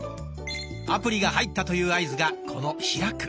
アプリが入ったという合図がこの「開く」。